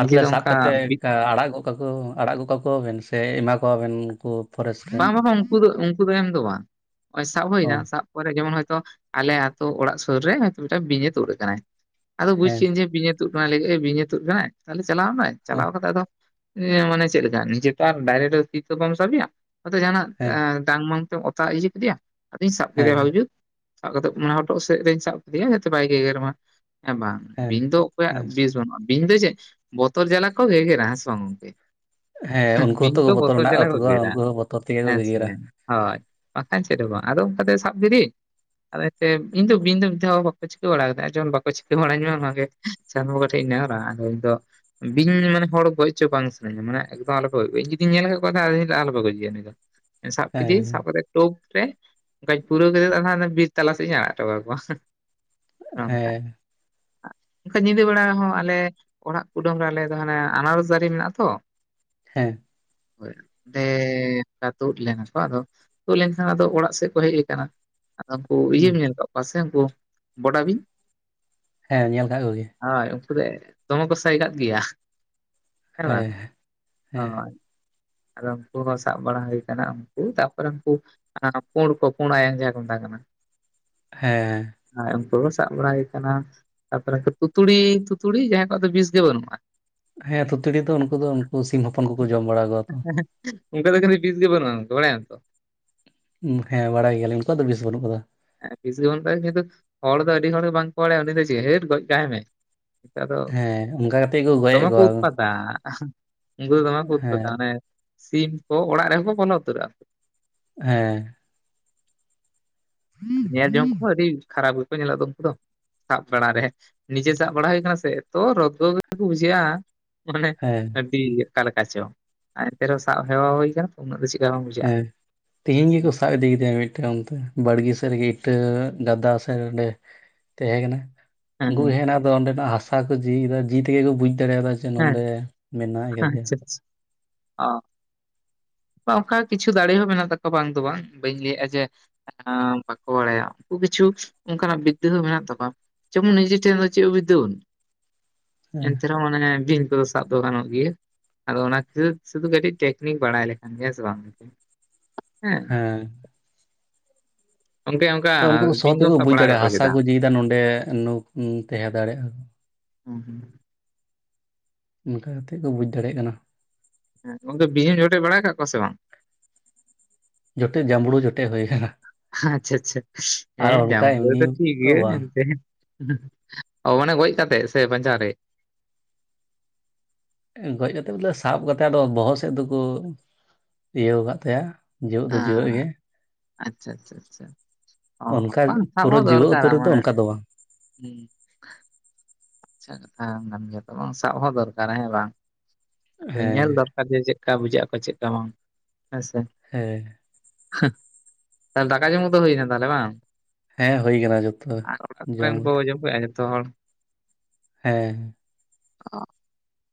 ᱟᱨ ᱞᱮ ᱥᱟᱵ ᱠᱟᱛᱮᱫ ᱟᱲᱟᱜ ᱜᱚᱜ ᱠᱟ ᱠᱚ ᱟᱲᱟᱜ ᱜᱚᱫ ᱠᱟᱠᱚᱣᱟ ᱵᱮᱱ ᱥᱮ ᱮᱢᱟ ᱠᱚᱣᱟ ᱵᱮᱱ ᱩᱱᱠᱩ? ᱯᱷᱚᱨᱮᱥᱴ ᱨᱮᱱ ᱵᱟᱝ ᱨᱮᱦᱚ ᱩᱝᱠᱩ ᱫᱚ ᱩᱝᱠᱩ ᱫᱚ ᱮᱢ ᱫᱚ ᱵᱟᱝ ᱱᱚᱜᱼᱚᱭ ᱥᱟᱵ ᱦᱩᱭ ᱚ ᱮᱱᱟ ᱥᱟᱵ ᱠᱚᱨᱮ ᱡᱮᱢᱚᱱ ᱦᱚᱭᱛᱚ ᱟᱞᱮ ᱟᱹᱛᱩ ᱚᱲᱟᱜ ᱥᱩᱨ ᱨᱮᱭ ᱢᱤᱫᱴᱟᱝ ᱵᱤᱧ ᱮ ᱛᱩᱫ ᱟᱠᱟᱱᱟᱭ ᱾ ᱟᱫᱚ ᱵᱩᱡ ᱦᱮᱸ ᱠᱮᱜᱟᱹᱧ ᱡᱮ ᱵᱤᱧ ᱮ ᱛᱩᱫ ᱠᱟᱱᱟᱭ ᱵᱤᱧ ᱮ ᱛᱩᱫ ᱠᱟᱱᱟᱭ ᱛᱟᱦᱚᱞᱮ ᱪᱟᱞᱟᱣ ᱮᱱᱟᱭ ᱦᱮᱸ ᱪᱟᱞᱟᱣ ᱠᱟᱛᱮᱜ ᱟᱫᱚ ᱮ ᱢᱟᱱᱮ ᱪᱮᱫ ᱞᱮᱠᱟ ᱱᱤᱡᱮ ᱛᱚ ᱟᱨ ᱰᱟᱭᱨᱮᱴ ᱛᱤ ᱛᱮᱫᱚ ᱵᱟᱢ ᱥᱟᱵᱮᱭᱟ, ᱦᱚᱭ ᱛᱚ ᱡᱟᱦᱱᱟᱜ ᱦᱮᱸ ᱮ ᱰᱟᱝ ᱢᱟᱝ ᱛᱮᱢ ᱚᱛᱟ ᱤᱭᱟᱹ ᱠᱮᱫᱮᱭᱟ ᱟᱫᱚᱧ ᱥᱟᱵ ᱠᱮᱫᱮᱭᱟ ᱦᱮᱸ ᱵᱷᱟᱜᱤ ᱡᱩᱛ ᱾ ᱥᱟᱵ ᱠᱟᱛᱮᱫ ᱢᱟᱱᱮ ᱦᱚᱴᱚᱜ ᱥᱮᱫ ᱨᱤᱧ ᱥᱟᱵ ᱠᱮᱫᱮᱭᱟ, ᱡᱟᱛᱮ ᱵᱟᱭ ᱜᱮᱜᱮᱨ ᱢᱟ ᱦᱮᱸ ᱵᱟᱝ ᱾ ᱦᱮᱸ ᱵᱤᱧ ᱫᱚ ᱚᱠᱚᱭᱟᱜ ᱦᱮᱸ ᱵᱤᱥ ᱵᱟᱹᱱᱩᱜᱼᱟ, ᱵᱤᱧ ᱫᱚ ᱪᱮᱫ ᱵᱚᱛᱚᱨ ᱡᱟᱞᱟ ᱠᱚ ᱜᱮᱜᱮᱨᱼᱟ ᱦᱮᱥᱮ ᱵᱟᱝ ᱜᱚᱝᱠᱮ? ᱦᱮᱸ ᱩᱱᱠᱩ ᱵᱤᱧ ᱦᱚᱸᱛᱚ ᱫᱚ ᱵᱚᱛᱚᱨ ᱢᱮᱱᱟᱜ ᱡᱟᱞᱟ ᱛᱟᱠᱚᱣᱟ ᱜᱮᱜᱮᱨᱟ ᱩᱱᱠᱩ ᱾ ᱦᱚᱸ ᱵᱚᱛᱚᱨ ᱛᱮᱜᱮ ᱠᱚ ᱦᱮᱸᱥᱮ ᱜᱮᱜᱮᱨᱟ ᱦᱳᱭ ᱵᱟᱠᱷᱟᱱ ᱪᱮᱫ ᱦᱚᱸ ᱵᱟᱝ ᱟᱫᱚ ᱚᱱᱠᱟᱛᱮ ᱥᱟᱵ [inaudible] ᱟᱫᱚ ᱛᱮ ᱤᱧ ᱫᱚ ᱵᱤᱱ ᱢᱤᱫ ᱫᱷᱟᱣ ᱵᱟᱠᱚ ᱪᱤᱠᱟᱹ ᱵᱟᱲᱟ ᱠᱮᱫᱟ ᱡᱮᱢᱚᱱ ᱵᱟᱠᱚ ᱪᱤᱠᱟᱹ ᱵᱟᱲᱟᱧ ᱢᱟ ᱚᱱᱟᱜᱮ᱾ ᱪᱟᱸᱫᱚ ᱵᱚᱸᱜᱟ ᱴᱷᱮᱱ ᱤᱧ ᱱᱮᱦᱚᱨᱟ ᱟᱫᱚ ᱤᱧ ᱫᱚ ᱵᱤᱧ ᱢᱟᱱᱮ ᱦᱚᱲ ᱜᱚᱡ ᱦᱚᱪᱚ ᱵᱟᱝ ᱥᱟᱱᱟᱹᱧᱟ ᱢᱟᱱᱮ ᱮᱠᱫᱚᱢ ᱟᱞᱚᱯᱮ ᱤᱧ ᱡᱩᱫᱤ ᱧᱮᱞ ᱟᱠᱟᱫ ᱠᱚᱣᱟ ᱥᱮ ᱟᱞᱚ ᱯᱮ ᱜᱚᱡᱼᱟ [inaudible] ᱩᱱᱤ ᱫᱚ ᱥᱟᱵ ᱠᱮᱫᱮᱭᱟᱹᱧ ᱦᱮᱸ ᱥᱟᱵ [inaudible] ᱴᱳᱯ ᱨᱮ ᱚᱱᱠᱟᱧ ᱯᱩᱨᱟᱹᱣ ᱠᱟᱛᱮᱫ ᱵᱤᱨ ᱛᱟᱞᱟ ᱥᱮᱫ ᱤᱧ ᱟᱲᱟᱜ ᱦᱚᱴᱚ ᱠᱟ ᱠᱚᱣᱟ ᱦᱮᱸ ᱚᱱᱠᱟ ᱧᱤᱫᱟᱹ ᱵᱮᱲᱟ ᱦᱚᱸ ᱟᱞᱮ ᱚᱲᱟᱜ ᱠᱩᱰᱟᱹᱢ ᱨᱮ ᱟᱞᱮ ᱫᱚ ᱦᱟᱱᱮ ᱟᱱᱟᱨᱚᱥ ᱫᱟᱨᱮ ᱢᱮᱱᱟᱜᱼᱟ ᱛᱚ ᱾ ᱦᱮᱸᱼᱼ [unintelligible] ᱛᱮ ᱛᱳᱫ ᱞᱮᱱᱟ ᱠᱚ ᱟᱫᱚ ᱛᱳᱫ ᱞᱮᱱᱠᱷᱟᱱ ᱟᱫᱚ ᱚᱲᱟᱜ ᱥᱮᱫ ᱠᱚ ᱦᱮᱡ ᱠᱟᱱᱟ ᱾ ᱟᱫᱚ ᱩᱱᱠᱩ ᱦᱩᱸ ᱤᱭᱟᱹᱢ ᱧᱮᱞ ᱠᱟᱜ ᱠᱚᱣᱟ ᱥᱮ ᱩᱱᱠᱩ ᱵᱚᱰᱟ ᱵᱤᱧ? ᱦᱮᱸ ᱧᱮᱞ ᱟᱠᱟᱜ ᱠᱚᱜᱮᱭᱟ ᱾ ᱦᱳᱭ ᱩᱱᱠᱩ ᱫᱚ ᱫᱚᱢᱮ ᱠᱚ ᱥᱟᱭᱜᱟᱫ ᱜᱮᱭᱟ, ᱦᱮᱸ ᱵᱟᱝ ᱦᱮᱸ ᱦᱳᱭ ᱾ ᱟᱫᱚ ᱩᱱᱠᱩ ᱦᱚᱸ ᱥᱟᱵ ᱵᱟᱲᱟ ᱦᱩᱭ ᱟᱠᱟᱱᱟ ᱩᱱᱠᱩ ᱛᱟᱯᱚᱨᱮ ᱩᱱᱠᱩᱼᱼ ᱚᱱᱮ ᱯᱳᱲ ᱠᱚ ᱯᱳᱲ ᱟᱭᱟᱝ ᱡᱟᱦᱟᱸᱭ ᱠᱚ ᱢᱮᱛᱟ ᱠᱚ ᱠᱟᱱᱟ ᱾ ᱦᱮᱸᱻ ᱦᱮᱸ ᱩᱱᱠᱩ ᱠᱚ ᱥᱟᱵ ᱵᱟᱲᱟᱭ ᱠᱟᱱᱟ, ᱛᱟᱨᱯᱚᱨᱮ ᱛᱩᱛᱩᱲᱤ ᱛᱩᱛᱩᱲᱤ ᱡᱟᱦᱟᱸᱭ ᱠᱚᱣᱟᱜ ᱫᱚ ᱵᱤᱥ ᱜᱮ ᱵᱟᱹᱱᱩᱜᱼᱟ᱾ ᱦᱮᱸ ᱛᱩᱛᱩᱲᱤ ᱫᱚ ᱩᱱᱠᱩ ᱫᱚ ᱩᱱᱠᱩ ᱥᱤᱢ ᱦᱚᱯᱚᱱ ᱠᱚᱠᱚ ᱡᱚᱢ ᱵᱟᱲᱟᱼᱼ [unintelligible] ᱩᱱᱠᱩᱣᱟᱜ ᱫᱚ ᱠᱤᱱᱛᱩ ᱵᱤᱥ ᱜᱮ ᱵᱟᱹᱱᱩᱜᱼᱟ ᱵᱟᱲᱟᱭᱟᱢ ᱛᱚᱼᱼ ᱦᱮᱸ ᱵᱟᱲᱟᱭ ᱜᱮᱭᱟᱞᱤᱧ ᱩᱱᱠᱩᱣᱟᱜ ᱫᱚ ᱵᱤᱥ ᱵᱟᱹᱱᱩᱜ ᱟᱠᱟᱫᱟ᱾ ᱦᱮᱸ ᱵᱤᱥ ᱜᱮ ᱵᱟᱹᱱᱩᱜ [unintelligible] ᱦᱚᱲ ᱫᱚ ᱟᱹᱰᱤ ᱦᱚᱲᱜᱮ ᱵᱟᱝᱠᱚ ᱵᱟᱲᱟᱭᱟ ᱩᱱᱤ ᱫᱚ ᱪᱮᱫ ᱦᱟᱹᱴ ᱜᱚᱡ ᱠᱟᱭ ᱢᱮ ᱾ [unintelligible] ᱫᱚ ᱦᱮᱸ ᱚᱱᱠᱟ ᱠᱟᱛᱮᱜ ᱜᱚᱡᱮᱫ ᱫᱚᱢᱮ ᱠᱚ ᱠᱚᱣᱟ ᱦᱮᱸ ᱩᱛᱯᱟᱛᱟ ᱾ ᱩᱱᱠᱩ ᱫᱚ ᱫᱚᱢᱮ ᱠᱚ ᱩᱛᱯᱟᱛᱟ, ᱢᱟᱱᱮ ᱥᱤᱢ ᱠᱚ ᱚᱲᱟᱜ ᱨᱮᱦᱚᱸ ᱠᱚ ᱵᱚᱞᱚ ᱩᱛᱟᱹᱨᱚᱜᱼᱟ ᱠᱚ ᱾ ᱦᱮᱸ ᱾ ᱧᱮᱞ ᱡᱚᱝ ᱠᱚᱦᱚᱸ ᱟᱹᱰᱤ ᱠᱷᱟᱨᱟᱯ ᱜᱮᱠᱚ ᱧᱮᱞᱚᱜ ᱫᱚ ᱩᱱᱠᱩ ᱫᱚ ᱾ ᱥᱟᱵ ᱵᱟᱲᱟ ᱨᱮ ᱱᱤᱡᱮ ᱥᱟᱵ ᱵᱟᱲᱟ ᱦᱩᱭ ᱠᱟᱱᱟ ᱥᱮ ᱮᱛᱚ ᱨᱚᱫᱽᱜᱚ ᱜᱮᱠᱚ ᱵᱩᱡᱷᱟᱹᱜᱼᱟᱼᱼ ᱢᱟᱱᱮ ᱦᱮᱸ ᱟᱹᱰᱤ ᱚᱠᱟ ᱞᱮᱠᱟ ᱪᱚ ᱟᱨ ᱮᱱᱛᱮᱦᱚᱸ ᱥᱟᱵ ᱦᱮᱣᱟ ᱦᱩᱭ ᱟᱠᱟᱱᱟ ᱛᱚ ᱩᱱᱟᱹᱜ ᱫᱚ ᱪᱮᱫᱠᱟ ᱵᱟᱝ ᱵᱩᱡᱷᱟᱹᱜᱼᱟ ᱾ ᱦᱮᱸ ᱛᱤᱦᱤᱧ ᱜᱤᱠᱚ ᱥᱟᱵ ᱤᱫᱤ ᱠᱤᱫᱤᱭᱟ ᱢᱤᱫᱴᱟᱱ ᱚᱱᱛᱮ ᱵᱟᱲᱜᱮ ᱥᱮᱫ ᱨᱮᱜᱮ ᱤᱴᱟᱹ ᱜᱟᱫᱟ ᱥᱮᱫ ᱚᱸᱰᱮ ᱼᱼ ᱛᱟᱦᱮᱸ ᱠᱟᱱᱟ ᱦᱮᱸ ᱩᱱᱠᱩ ᱦᱮᱸ ᱦᱮᱡ ᱮᱱᱟ ᱚᱸᱰᱮᱱᱟᱜ ᱦᱟᱥᱟ ᱠᱩ ᱡᱤᱭᱮᱫᱟ ᱡᱤ ᱛᱮᱜᱮ ᱠᱚ ᱵᱩᱡ ᱫᱟᱲᱮᱭᱟᱫᱟᱼᱼ ᱡᱮ ᱱᱚᱰᱮ ᱢᱮᱱᱟᱭ ᱠᱟᱫᱮᱭᱟ ᱾ ᱚ ᱾ ᱚᱱᱠᱟ ᱠᱤᱪᱷᱩ ᱫᱟᱲᱮ ᱦᱚᱸ ᱢᱮᱱᱟᱜ ᱛᱟᱠᱚᱣᱟ ᱵᱟᱝ ᱫᱚ ᱵᱟᱝ ᱵᱟᱹᱧ ᱞᱟᱹᱭᱮᱫᱼᱟ ᱡᱮ ᱼᱼ ᱮᱸᱻ ᱵᱟᱠᱚ ᱵᱟᱲᱟᱭᱟ ᱩᱱᱠᱩ ᱠᱤᱪᱷᱩ ᱚᱱᱠᱟᱱᱟᱜ ᱵᱤᱫᱽᱫᱟᱹ ᱦᱚᱸ ᱢᱮᱱᱟᱜ ᱛᱟᱠᱚᱣᱟ ᱾ ᱡᱮᱢᱚᱱ ᱱᱤᱡᱮ ᱴᱷᱮᱱ ᱫᱚ ᱪᱮᱫ ᱦᱚ ᱵᱤᱫᱽᱫᱟᱹ ᱵᱟᱹᱱᱩᱜ ᱟ, ᱦᱮᱸ ᱮᱱᱛᱮ ᱨᱮᱦᱚᱸ ᱢᱟᱱᱮ ᱵᱤᱧ ᱠᱚᱫᱚᱼᱼ ᱥᱟᱵ ᱫᱚ ᱜᱟᱱᱚᱜ ᱜᱮᱭᱟ ᱟᱫᱚ ᱚᱱᱟ ᱠᱷᱟᱹᱛᱤᱨ ᱥᱩᱫᱷᱩ ᱠᱟᱹᱴᱤᱡ ᱴᱮᱠᱱᱤᱠ ᱵᱟᱲᱟᱭ ᱞᱮᱠᱷᱟᱱᱼᱼ ᱦᱮᱸ ᱥᱮ ᱵᱟᱝ ᱦᱮᱸ ᱜᱚᱝᱠᱮᱼᱼ ᱛᱚ ᱩᱱᱠᱩ ᱠᱩ ᱥᱚ ᱛᱮᱠᱚ ᱵᱩᱡ ᱫᱟᱲᱮᱜᱼᱟ, ᱦᱟᱥᱟ ᱠᱚ ᱡᱤᱭᱫᱟ ᱱᱚᱸᱰᱮᱩ ᱱᱩᱠ ᱛᱟᱦᱮᱸ ᱫᱟᱲᱮᱜᱼᱟ᱾ ᱦᱩ ᱦᱩᱸ᱾ ᱚᱱᱠᱟ ᱠᱟᱛᱮᱜ ᱠᱚ ᱵᱩᱡᱽ ᱫᱟᱲᱮᱭᱟᱜ ᱠᱟᱱᱟ᱾ ᱦᱮᱸ ᱜᱚᱝᱠᱮ ᱵᱤᱧᱮᱢ ᱡᱚᱴᱮᱜ ᱵᱟᱲᱟ ᱠᱟᱜ ᱠᱚᱣᱟ ᱥᱮ ᱵᱟᱝ? ᱡᱚᱴᱮᱜ ᱡᱟᱸᱵᱽᱲᱩ ᱡᱚᱴᱮᱜ ᱦᱩᱭ ᱠᱟᱱᱟ᱾ ᱟᱪᱷᱟ ᱟᱪᱷᱟ ᱦᱮᱸ ᱡᱥᱢᱵᱽᱲᱩ ᱮᱢᱱᱤ ᱫᱚ ᱴᱷᱤᱠ ᱛᱚ ᱜᱮᱭᱟ ᱵᱟᱝ ᱮᱱᱛᱮ ᱚ ᱢᱟᱱᱮ ᱜᱚᱡ ᱠᱟᱛᱮᱜ ᱥᱮ ᱵᱟᱧᱪᱟᱣ ᱨᱮ? ᱜᱚᱡ ᱠᱟᱛᱮᱜ ᱵᱚᱞᱮ ᱥᱟᱵ ᱠᱟᱛᱮᱜ ᱟᱫᱚ ᱵᱚᱦᱚᱜ ᱥᱮᱜ ᱫᱚᱠᱚ ᱤᱭᱟᱹᱣ ᱠᱟᱜ ᱛᱟᱭᱟ ᱡᱤᱣᱮᱫ ᱫᱚ ᱟ ᱡᱤᱣᱮᱫ ᱜᱮ ᱟᱪᱷᱟ ᱟᱪᱷᱟ ᱟᱪᱷᱟ᱾ ᱚ ᱚᱱᱠᱟ ᱵᱟᱝ ᱥᱟᱵ ᱦᱚ ᱯᱩᱨᱟᱹ ᱡᱤᱣᱮᱫ ᱩᱛᱟᱹᱨ ᱫᱚᱨᱠᱟᱨᱟ ᱨᱮᱫᱚ ᱢᱟᱱᱮᱼᱼ ᱚᱱᱠᱟ ᱫᱚ ᱵᱟᱝ ᱟᱪᱷᱟ [unintelligible] ᱠᱟᱱ ᱜᱮᱭᱟ ᱛᱚ ᱵᱟᱝ ᱥᱟᱵ ᱦᱚᱸ ᱫᱚᱨᱠᱟᱨ ᱦᱮᱸ ᱵᱟᱝ ᱧᱮᱞ ᱦᱮᱸ ᱫᱚᱨ ᱟᱫᱷᱮ ᱪᱮᱜᱠᱟ ᱵᱩᱡᱷᱟᱹᱜ ᱟᱠᱚ ᱪᱮᱜᱠᱟ ᱵᱟᱝ, ᱦᱮᱸ ᱥᱮ? ᱦᱮᱸ᱾ ᱦᱟᱺ ᱛᱟᱞ ᱫᱟᱠᱟ ᱡᱚᱢ ᱠᱚᱫᱚ ᱦᱩᱭᱱᱟ ᱛᱟᱦᱞᱮ ᱵᱟᱝ? ᱦᱮᱸ ᱦᱩᱭ ᱠᱟᱱᱟ ᱡᱚᱛᱚ ᱟᱨ ᱚᱲᱟᱜ ᱠᱚᱨᱮᱱ ᱠᱚ ᱡᱚᱢ ᱠᱮᱜᱼᱟ ᱡᱷᱚᱛᱚ ᱦᱚᱲ? ᱦᱮᱸ᱾ ᱚᱻ